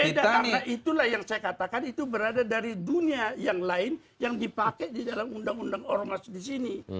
beda karena itulah yang saya katakan itu berada dari dunia yang lain yang dipakai di dalam undang undang ormas di sini